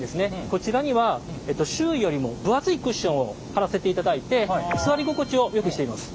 こちらには周囲よりも分厚いクッションを貼らせていただいて座り心地をよくしています。